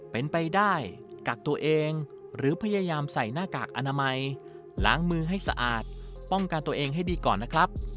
เป็นไปได้กักตัวเองหรือพยายามใส่หน้ากากอนามัยล้างมือให้สะอาดป้องกันตัวเองให้ดีก่อนนะครับ